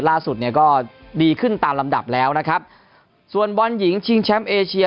ล่าสุดเนี่ยก็ดีขึ้นตามลำดับแล้วนะครับส่วนบอลหญิงชิงแชมป์เอเชีย